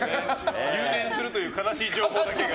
留年するという悲しい情報が。